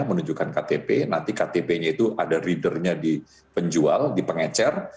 menunjukkan ktp nanti ktp nya itu ada readernya di penjual di pengecer